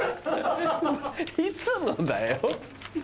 いつのだよ。